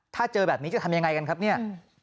ถ้าเจอแบบนี้จะทำยังไงกันครับเนี่ย